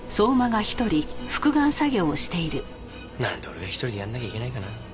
なんで俺が１人でやらなきゃいけないかな。